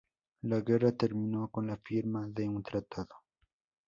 La guerra terminó con la firma de un tratado.